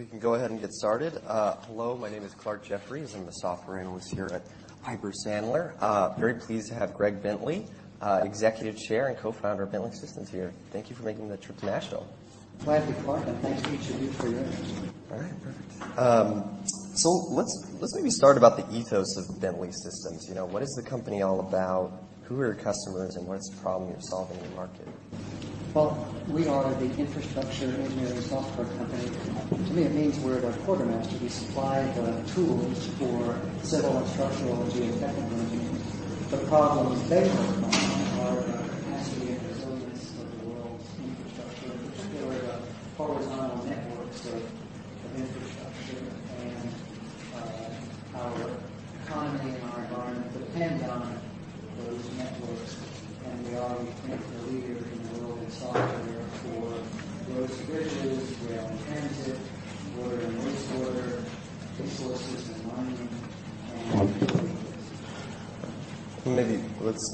All right. Well, we can go ahead and get started. Hello. My name is Clarke Jeffries. I'm the software analyst here at Piper Sandler. Very pleased to have Greg Bentley, Executive Chair and co-founder of Bentley Systems, here. Thank you for making the trip to Nashville. Glad to be part, and thanks to each of you for your input. All right. Perfect, so let's maybe start about the ethos of Bentley Systems. You know, what is the company all about? Who are your customers, and what's the problem you're solving in the market?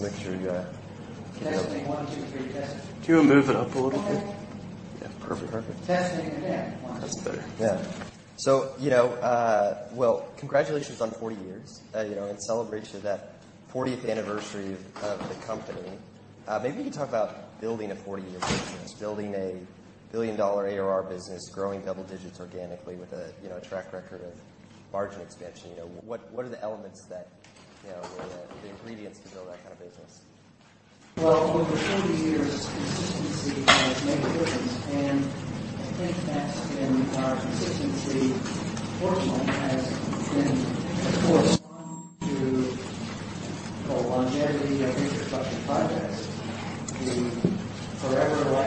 make sure you guys. Testing one, two, three. Testing. Can you move it up a little bit? Okay. Yeah. Perfect. Perfect. Testing again. That's better. Yeah. So, you know, well, congratulations on 40 years. You know, in celebration of that 40th anniversary of the company, maybe we can talk about building a 40-year business, building a billion-dollar ARR business, growing double digits organically with a track record of margin expansion. You know, what are the elements that, you know, the ingredients to build that kind of business? Over 40 years, consistency has made a difference. I think that's been our consistency, fortunately, of course, on to the longevity of infrastructure projects, the forever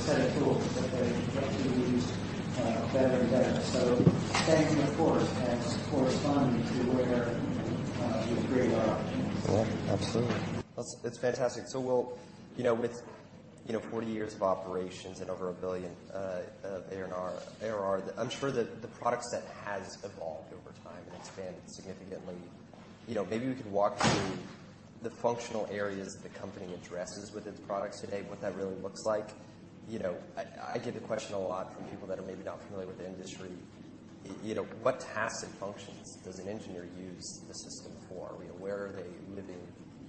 lifecycle of infrastructure assets, and the fact that infrastructure engineers develop their careers if they can with a set of tools that they get to use, better and better. Staying the course has corresponded to where, you know, we've created our opportunities. Yeah. Absolutely. That's, it's fantastic, so we'll, you know, with, you know, 40 years of operations and over a billion of ARR, I'm sure that the product set has evolved over time and expanded significantly. You know, maybe we could walk through the functional areas that the company addresses with its products today, what that really looks like. You know, I get the question a lot from people that are maybe not familiar with the industry. You know, what tasks and functions does an engineer use the system for? You know, where are they living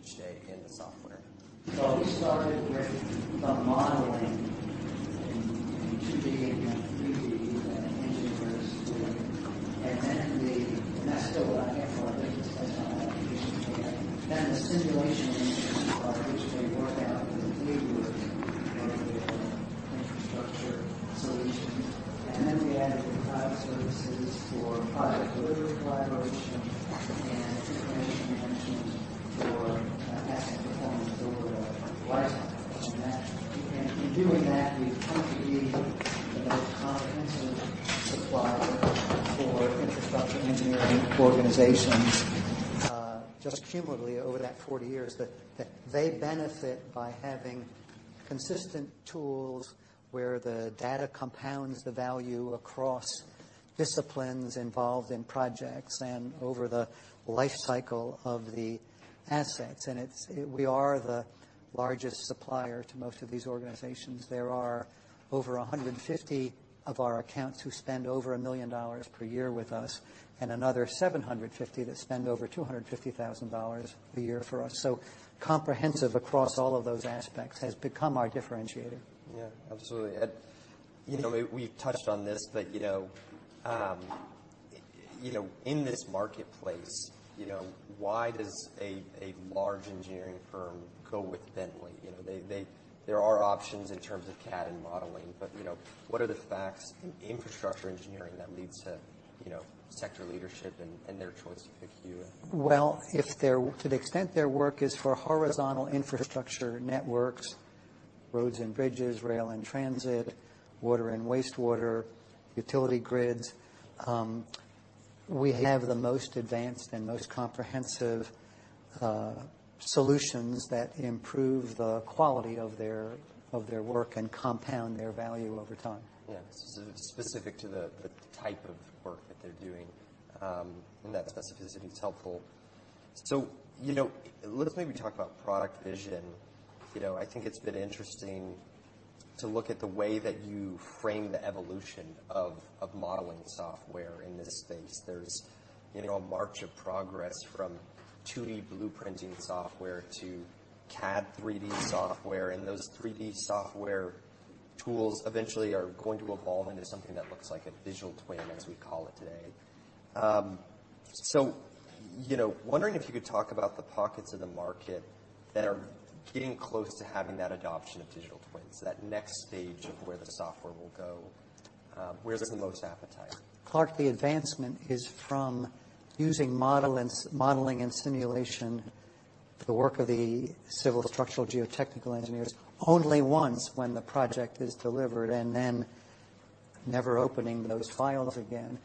each day in the software? So we started with the modeling in 2D and 3D with the engineers doing it. And then, and that's still a handful of business. That's not an application today. Then the simulation engineers, which they work out the behavior of the infrastructure solutions. And then we added the cloud services for project delivery collaboration and information management for asset performance over the lifecycle. And that, in doing that, we've come to be the most comprehensive supplier for infrastructure engineering organizations, just cumulatively over that 40 years that they benefit by having consistent tools where the data compounds the value across disciplines involved in projects and over the lifecycle of the assets. And it's, we are the largest supplier to most of these organizations. There are over 150 of our accounts who spend over $1 million per year with us, and another 750 that spend over $250,000 a year for us. So comprehensive across all of those aspects has become our differentiator. Yeah. Absolutely. And, you know, we, we've touched on this, but, you know, you know, in this marketplace, you know, why does a large engineering firm go with Bentley? You know, they, there are options in terms of CAD and modeling, but, you know, what are the facts in infrastructure engineering that leads to, you know, sector leadership and their choice to pick you? To the extent their work is for horizontal infrastructure networks, roads and bridges, rail and transit, water and wastewater, utility grids, we have the most advanced and most comprehensive solutions that improve the quality of their work and compound their value over time. Yeah. Specific to the type of work that they're doing, and that specificity is helpful. So, you know, let's maybe talk about product vision. You know, I think it's been interesting to look at the way that you frame the evolution of modeling software in this space. There's, you know, a march of progress from 2D blueprinting software to CAD 3D software, and those 3D software tools eventually are going to evolve into something that looks like a digital twin, as we call it today. So, you know, wondering if you could talk about the pockets of the market that are getting close to having that adoption of digital twins, that next stage of where the software will go. Where's the most appetite? Clarke, the advancement is from using modeling and simulation, the work of the civil and structural geotechnical engineers, only once when the project is delivered and then never opening those files again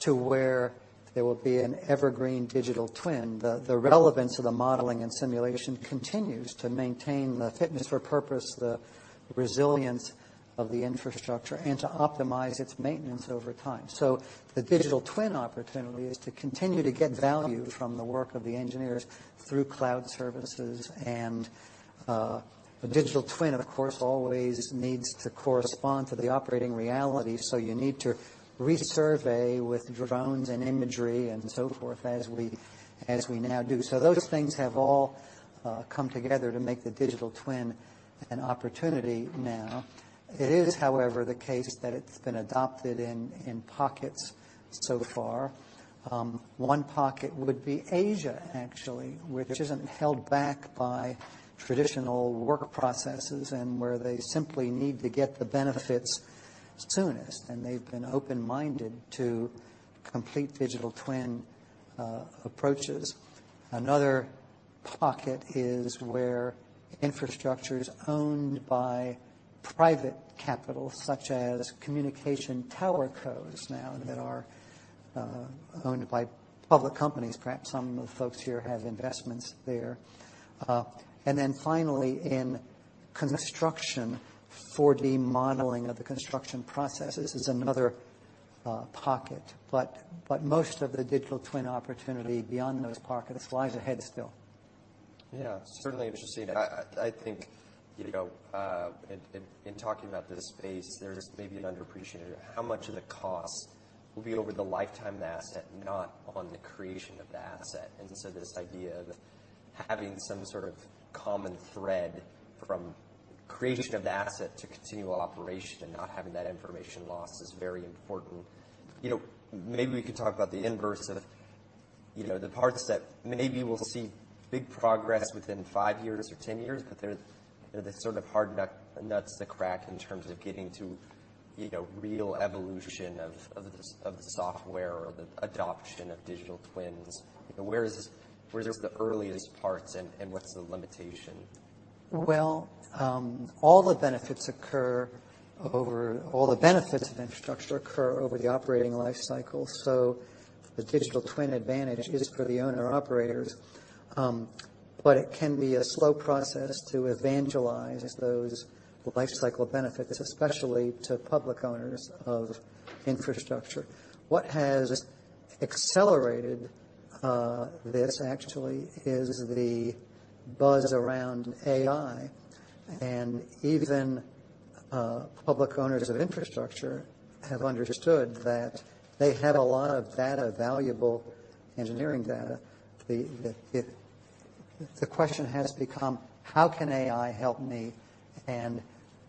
to where there will be an evergreen digital twin. The relevance of the modeling and simulation continues to maintain the fitness for purpose, the resilience of the infrastructure, and to optimize its maintenance over time. So the digital twin opportunity is to continue to get value from the work of the engineers through cloud services. And a digital twin, of course, always needs to correspond to the operating reality. So you need to resurvey with drones and imagery and so forth as we now do. So those things have all come together to make the digital twin an opportunity now. It is, however, the case that it's been adopted in pockets so far. One pocket would be Asia, actually, which isn't held back by traditional work processes and where they simply need to get the benefits soonest. And they've been open-minded to complete digital twin approaches. Another pocket is where infrastructure is owned by private capital, such as communication towercos now that are owned by public companies. Perhaps some of the folks here have investments there. And then finally, in construction, 4D modeling of the construction processes is another pocket. But most of the digital twin opportunity beyond those pockets lies ahead still. Yeah. Certainly, interesting. I think, you know, in talking about this space, there's maybe an underappreciation of how much of the cost will be over the lifetime of the asset, not on the creation of the asset. And so this idea of having some sort of common thread from creation of the asset to continual operation and not having that information lost is very important. You know, maybe we could talk about the inverse of, you know, the parts that maybe we'll see big progress within five years or 10 years, but they're the sort of hard nuts to crack in terms of getting to, you know, real evolution of the software or the adoption of digital twins. You know, where's the earliest parts and what's the limitation? All the benefits of infrastructure occur over the operating lifecycle. So the digital twin advantage is for the owner-operators. But it can be a slow process to evangelize those lifecycle benefits, especially to public owners of infrastructure. What has accelerated this, actually, is the buzz around AI. And even public owners of infrastructure have understood that they have a lot of data, valuable engineering data. The question has become, how can AI help me? And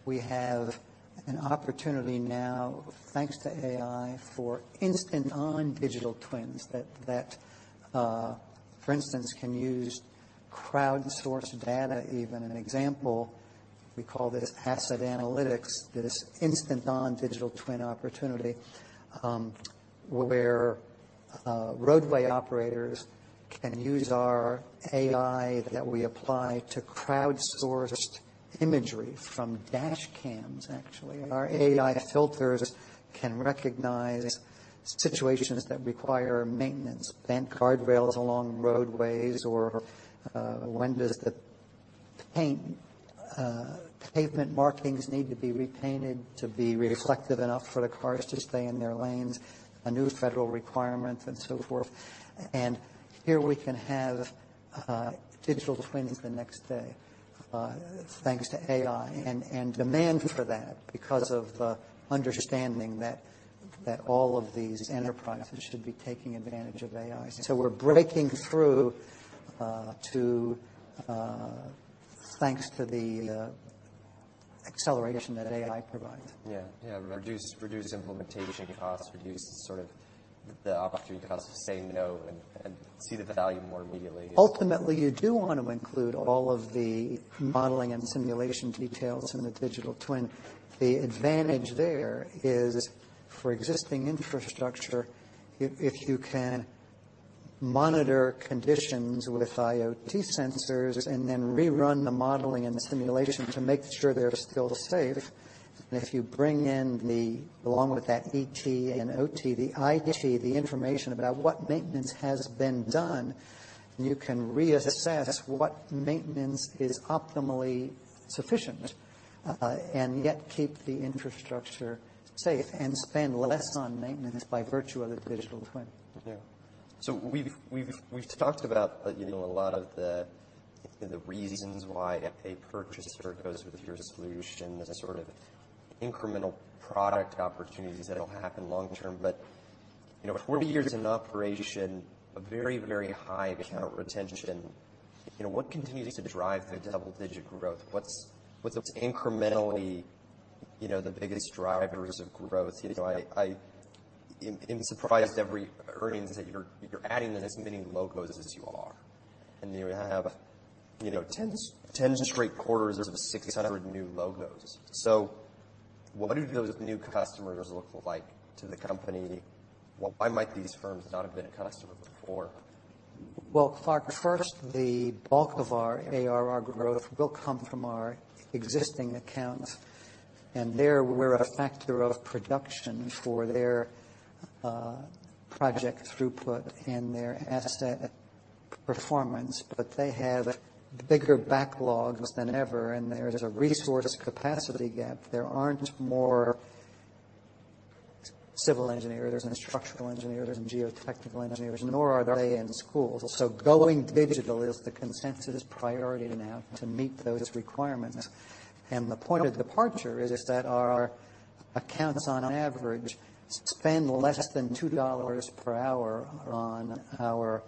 we have an opportunity now, thanks to AI, for instant-on digital twins that, for instance, can use crowd-sourced data even. An example, we call this asset analytics, this instant-on digital twin opportunity, where roadway operators can use our AI that we apply to crowd-sourced imagery from dashcams, actually. Our AI filters can recognize situations that require maintenance, bent guardrails along roadways, or when does the paint, pavement markings need to be repainted to be reflective enough for the cars to stay in their lanes, a new federal requirement, and so forth. And here we can have digital twins the next day, thanks to AI and demand for that because of the understanding that all of these enterprises should be taking advantage of AI. So we're breaking through, thanks to the acceleration that AI provides. Yeah. Reduce implementation costs, reduce sort of the opportunity costs of saying no, and see the value more immediately. Ultimately, you do want to include all of the modeling and simulation details in the digital twin. The advantage there is for existing infrastructure, if you can monitor conditions with IoT sensors and then rerun the modeling and the simulation to make sure they're still safe. If you bring in the, along with that ET and OT, the IT, the information about what maintenance has been done, you can reassess what maintenance is optimally sufficient, and yet keep the infrastructure safe and spend less on maintenance by virtue of the digital twin. Yeah. So we've talked about, you know, a lot of the reasons why a purchaser goes with your solution as a sort of incremental product opportunities that'll happen long term. But, you know, 40 years in operation, a very, very high account retention. You know, what continues to drive the double-digit growth? What's incrementally, you know, the biggest drivers of growth? You know, I am surprised every earnings that you're adding to this many logos as you are. And you have, you know, 10 straight quarters of 600 new logos. So what do those new customers look like to the company? Why might these firms not have been a customer before? Clarke, first, the bulk of our ARR growth will come from our existing accounts. There we're a factor of production for their project throughput and their asset performance. They have bigger backlogs than ever, and there's a resource capacity gap. There aren't more civil engineers and structural engineers and geotechnical engineers, nor are there any schools. Going digital is the consensus priority now to meet those requirements. The point of departure is that our accounts, on average, spend less than $2 per hour on our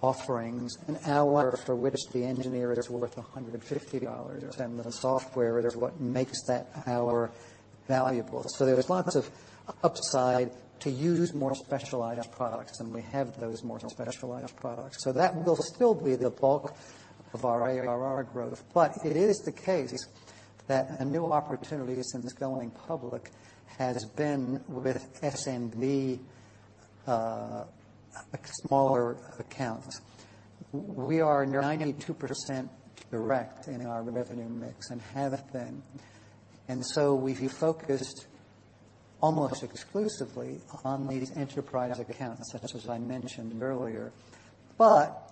offerings. An hour for which the engineer is worth $150, and the software is what makes that hour valuable. There's lots of upside to use more specialized products, and we have those more specialized products. That will still be the bulk of our ARR growth. But it is the case that a new opportunity since going public has been with SMB, smaller accounts. We are 92% direct in our revenue mix and have been. And so we've focused almost exclusively on these enterprise accounts, as I mentioned earlier. But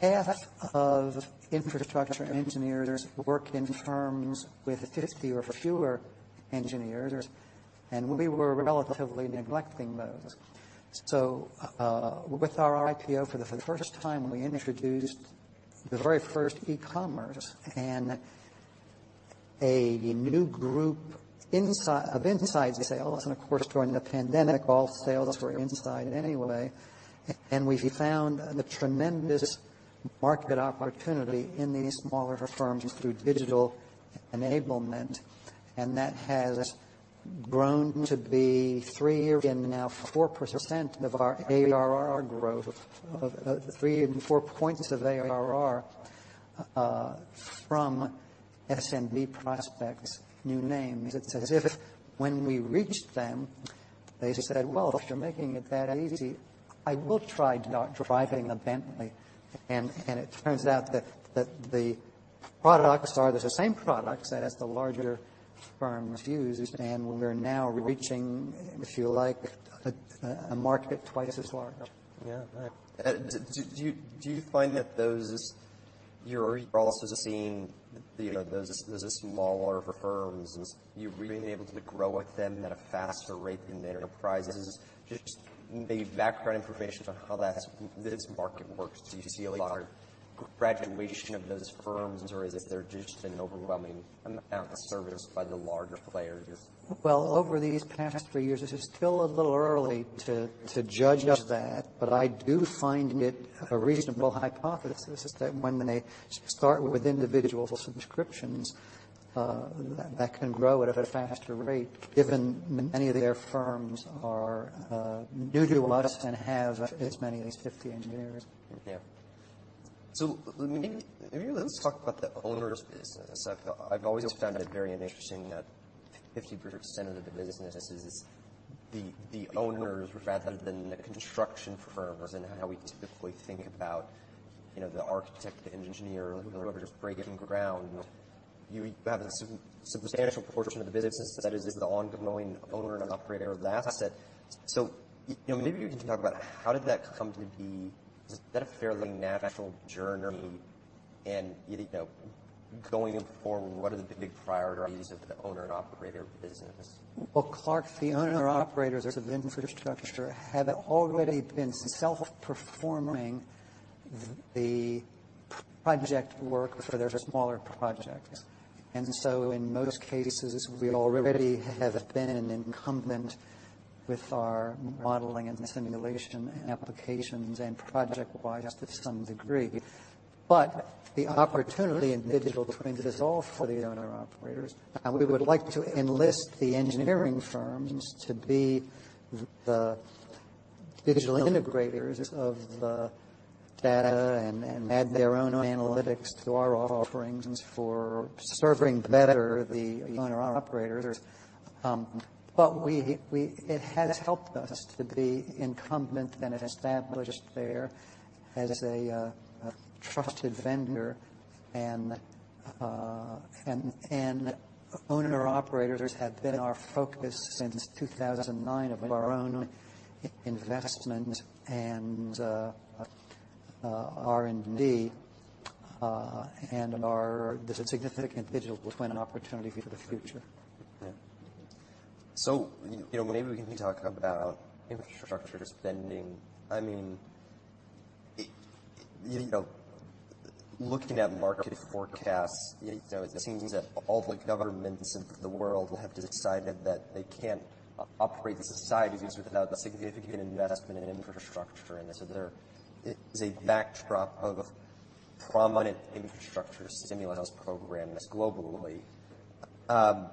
half of infrastructure engineers work in firms with 50 or fewer engineers, and we were relatively neglecting those. So, with our IPO, for the first time, we introduced the very first e-commerce and a new group inside of inside sales. And of course, during the pandemic, all sales were inside anyway. And we found a tremendous market opportunity in these smaller firms through digital enablement. And that has grown to be 3% and now 4% of our ARR growth, of 3 and 4 points of ARR, from SMB prospects, new name. It's as if when we reached them, they said, "Well, if you're making it that easy, I will try not driving a Bentley." And it turns out that the products are the same products as the larger firms use. And we're now reaching, if you like, a market twice as large. Yeah. Do you, do you find that those you're also seeing the, you know, those smaller firms and you've been able to grow with them at a faster rate than the enterprises? Just maybe background information on how that's this market works. Do you see a lot of graduation of those firms, or is it they're just an overwhelming amount of service by the larger players? Over these past three years, it is still a little early to judge that. But I do find it a reasonable hypothesis that when they start with individual subscriptions, that can grow at a faster rate, given many of their firms are new to us and have as many as 50 engineers. Yeah. So, let's talk about the owners' business. I've always found it very interesting that 50% of the business is the owners rather than the construction firms and how we typically think about, you know, the architect, the engineer, whoever's breaking ground. You have a substantial portion of the business that is the ongoing owner and operator of the asset. So, you know, maybe we can talk about how did that come to be? Is that a fairly natural journey? And, you know, going forward, what are the big priorities of the owner and operator business? Clarke, the owner-operators of infrastructure have already been self-performing the project work for their smaller projects. And so in most cases, we already have been incumbent with our modeling and simulation applications and ProjectWise to some degree. But the opportunity in digital twins is all for the owner-operators. We would like to enlist the engineering firms to be the digital integrators of the data and add their own analytics to our offerings for serving better the owner-operators. It has helped us to be incumbent and established there as a trusted vendor. Owner-operators have been our focus since 2009 of our own investment and R&D, and are the significant digital twin opportunity for the future. Yeah. So, you know, maybe we can talk about infrastructure spending. I mean, you know, looking at market forecasts, you know, it seems that all the governments of the world have decided that they can't operate societies without significant investment in infrastructure. And so there is a backdrop of prominent infrastructure stimulus programs globally. You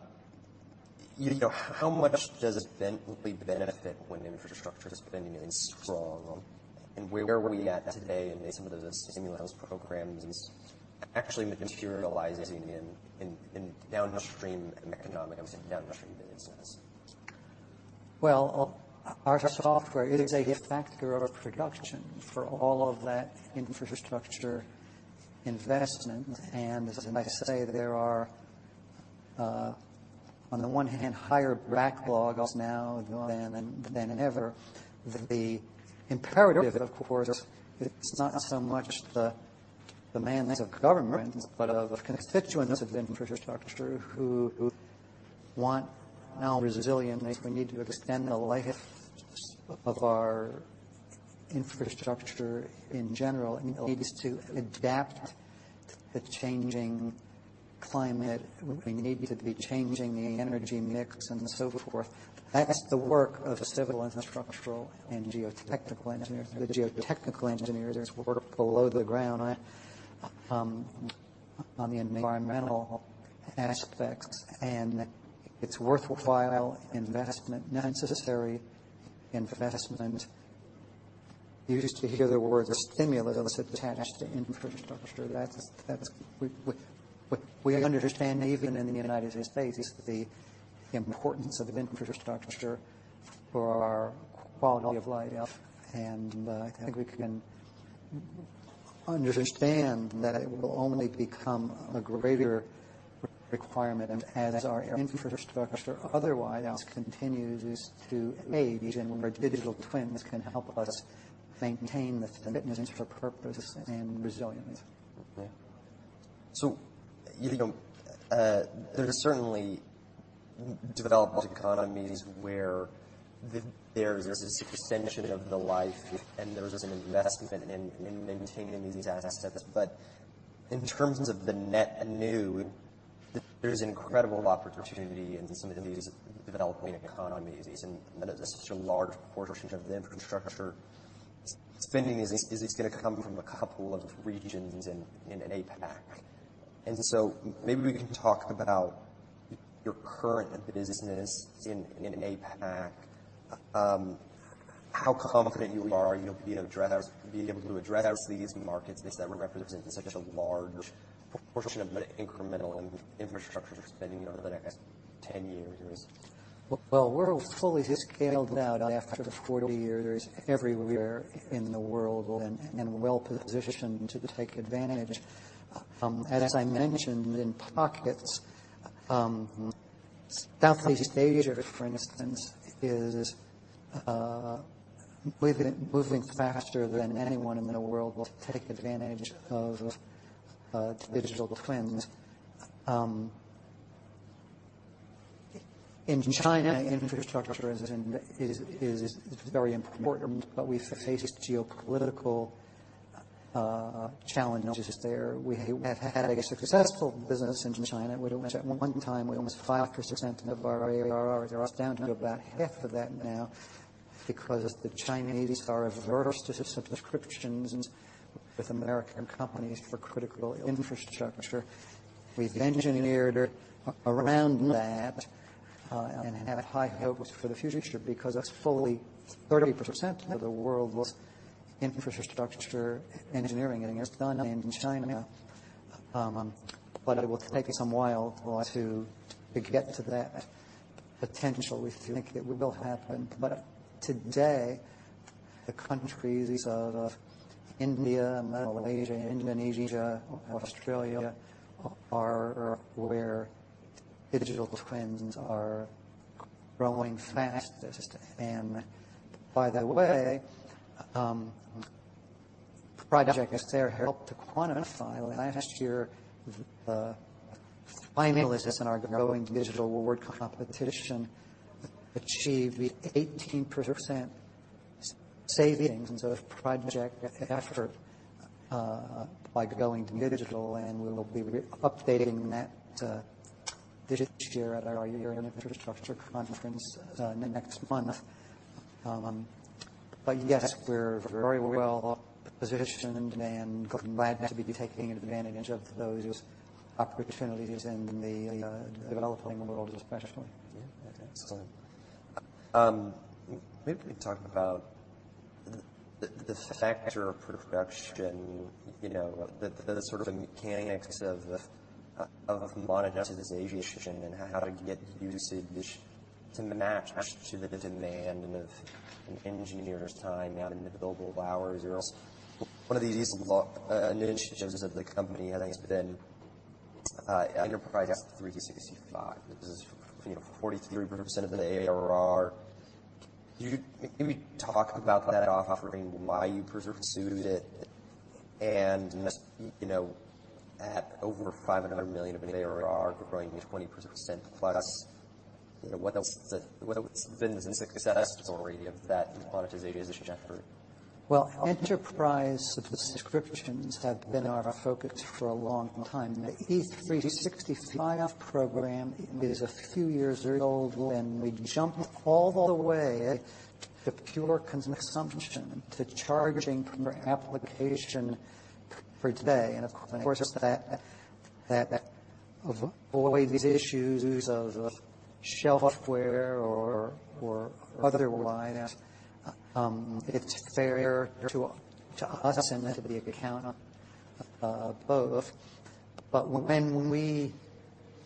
know, how much does Bentley benefit when infrastructure spending is strong? And where are we at today in some of those stimulus programs actually materializing in downstream economics and downstream business? Our software is a factor of production for all of that infrastructure investment, and as I say, there are, on the one hand, higher backlogs now than ever. The imperative, of course, it's not so much the demands of government, but of constituents of infrastructure who want now resilience. We need to extend the life of our infrastructure in general. It needs to adapt to the changing climate. We need to be changing the energy mix and so forth. That's the work of civil and structural and geotechnical engineers. The geotechnical engineers work below the ground on the environmental aspects, and it's worthwhile investment, necessary investment. You used to hear the word stimulus attached to infrastructure. That's, we understand even in the United States the importance of infrastructure for our quality of life. I think we can understand that it will only become a greater requirement as our infrastructure otherwise continues to age and where digital twins can help us maintain the fitness for purpose and resilience. Yeah. So, you know, there's certainly developed economies where there's a substantial life and there's an investment in maintaining these assets. But in terms of the net new, there's incredible opportunity in some of these developing economies and such a large portion of the infrastructure spending is going to come from a couple of regions and in APAC. And so maybe we can talk about your current business in APAC. How confident you are, you know, being able to address these markets that represent such a large portion of the incremental infrastructure spending over the next 10 years? We're fully scaled out after 40 years. Everywhere in the world and well-positioned to take advantage. As I mentioned in pockets, Southeast Asia, for instance, is moving faster than anyone in the world [and] will take advantage of digital twins. In China, infrastructure is very important, but we face geopolitical challenges there. We have had a successful business in China. At one time, we [had] almost 5% of our ARR [that] dropped down to about half of that now because the Chinese are averse to subscriptions with American companies for critical infrastructure. We've engineered around that, and have high hopes for the future because fully 30% of the world's infrastructure engineering is done in China. It will take some while to get to that potential. We think it will happen. Today, the countries of India, Malaysia, Indonesia, Australia are where digital twins are growing fastest. And by the way, projects there helped to quantify last year the finalists in our Going Digital Awards achieved 18% savings of project effort, by going digital. And we will be updating that, this year at our Year in Infrastructure conference, next month. But yes, we're very well positioned and glad to be taking advantage of those opportunities in the developing world, especially. Yeah. Excellent. Maybe we can talk about the, the factor of production, you know, the, the sort of mechanics of, of monetization and how to get usage to match to the demand of an engineer's time and available hours. One of these initiatives of the company has been Enterprise 365. This is, you know, 43% of the ARR. Could you maybe talk about that offering, why you pursued it, and, you know, at over $500 million of ARR, growing 20% plus? You know, what else? What else has been the success story of that monetization effort? Enterprise subscriptions have been our focus for a long time. The E365 program is a few years old, and we jumped all the way to pure consumption to charging per application per day. And of course, that avoids issues of shelfware or otherwise. It's fair to us and to the account, both. But when we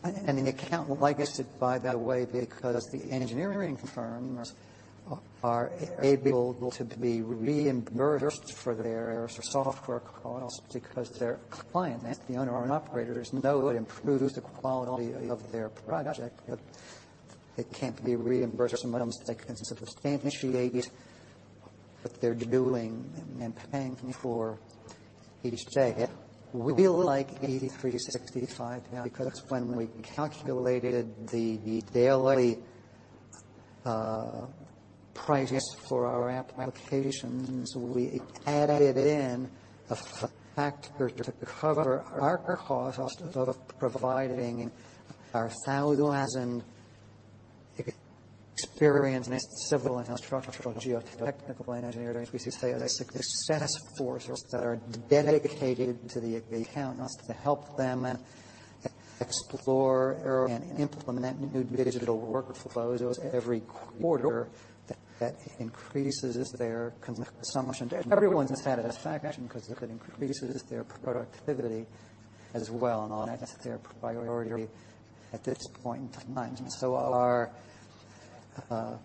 and the account likes it, by the way, because the engineering firms are able to be reimbursed for their software costs because their clients, the owner and operators, know it improves the quality of their project. It can't be reimbursed from them so they can substantiate what they're doing and paying for each day. We like E365 because when we calculated the daily prices for our applications, we added in a factor to cover our cost of providing our thousands in experience in civil and structural geotechnical engineering. We have a success force that are dedicated to the accounts to help them explore and implement new digital workflows every quarter that increases their consumption. Everyone's satisfaction because it increases their productivity as well. That's their priority at this point in time. So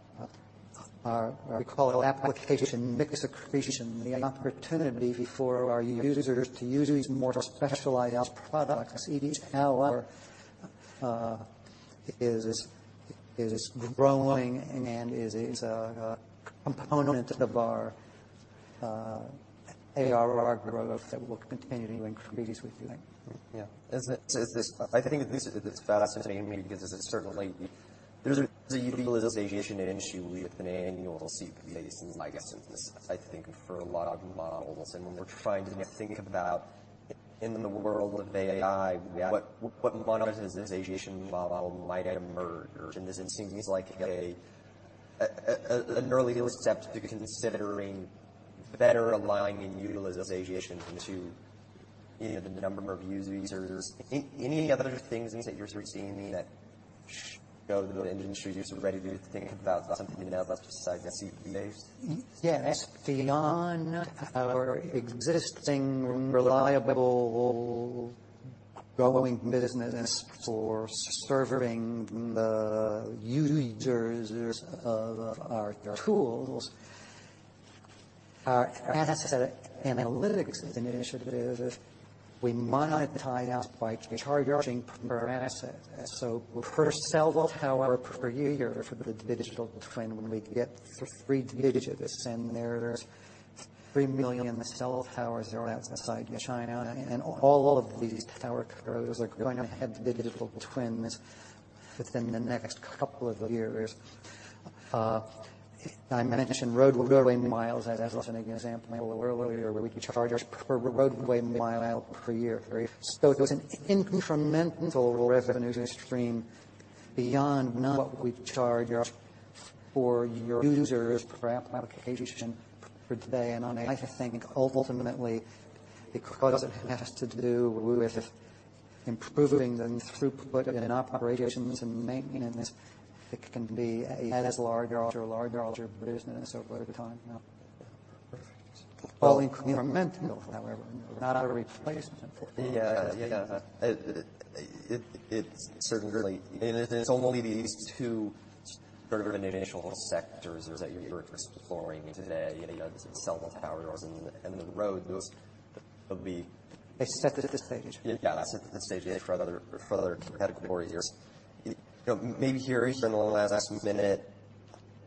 we call Application Mix Accretion the opportunity for our users to use more specialized products. Expansion is growing and is a component of our ARR growth that will continue to increase. Yeah. I think this is fascinating because it's certainly there's a utilization issue with annual CPAs, I guess, I think for a lot of models. And when we're trying to think about in the world of AI, what monetization model might emerge? And this seems like an early step to considering better aligning utilization to, you know, the number of users. Any other things that you're seeing that show the industry is ready to think about something else besides CPAs? Yes. Beyond our existing reliable ongoing business for serving the users of our tools, our asset analytics initiative, we monetize by charging per asset. So per cell tower per year for the digital twin, we get three digits and there's 3 million cell towers around the world in China. And all of these tower owners are going to have digital twins within the next couple of years. I mentioned roadway miles as an example earlier where we charge per roadway mile per year. So there's an incremental revenue stream beyond what we charge for our users per application per day. And I think ultimately because it has to do with improving the throughput and operations and maintenance, it can be a larger, larger, larger business over time. Perfect. All incremental, however, not a replacement. Yeah. Yeah. It's certainly in only these two sort of initial sectors that you're exploring today, you know, cell towers and the roads, it'll be. Asset at this stage. Yeah. So at this stage for other, for other categories. You know, maybe here in the last minute,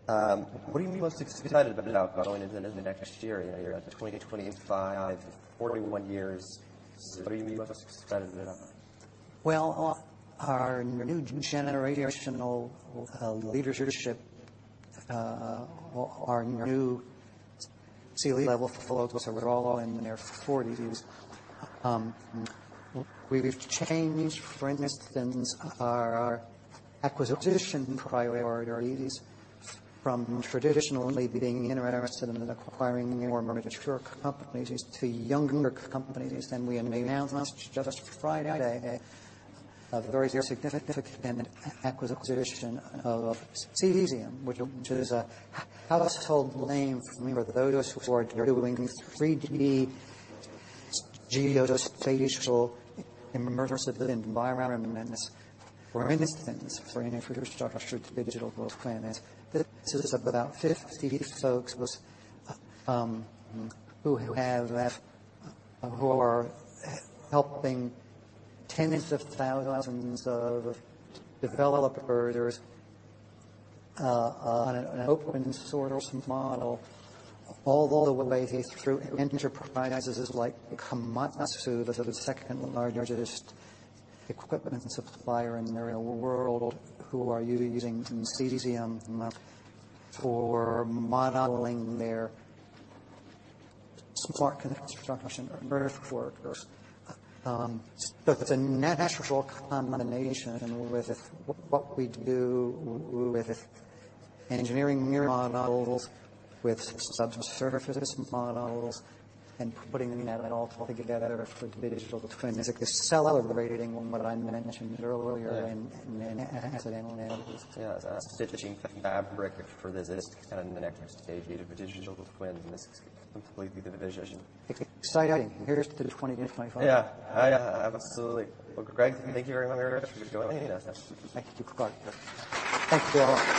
what are you most excited about going into the next year? You're at 2025, 41 years. What are you most excited about? Our new generational leadership, our new C-level folks who are all in their 40s. We've changed, for instance, our acquisition priorities from traditionally being interested in acquiring more mature companies to younger companies. We announced just Friday a very significant acquisition of Cesium, which is a household name for those who are doing 3D geospatial immersive environments. For instance, for infrastructure digital twins, this is about 50 folks, who have, who are helping tens of thousands of developers, on an open source model all the way through enterprises like Komatsu, the second largest equipment supplier in the world, who are using Cesium for modeling their Smart Construction workers. It's a natural combination with what we do with engineering models, with subsurface models, and putting that all together for digital twins. It's celebrating what I mentioned earlier in. Yeah. That's a digital fabric for the next stage of digital twins. It's completely the vision. Exciting. Here's to 2025. Yeah. Absolutely. Well, Greg, thank you very much for joining us. Thank you, Clarke. Thank you.